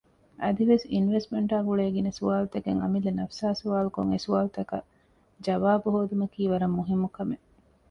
އަދި އިންވެސްޓްމަންޓާ ގުޅޭ ގިނަ ސުވާލުތަކެއް އަމިއްލަ ނަފުސާއި ސުވާލުކޮށް އެސުވާލުތަކަށް ޖަވާބު ހޯދުމަކީ ވަރަށް މުހިންމު ކަމެއް